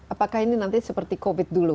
apakah ini nanti seperti covid dulu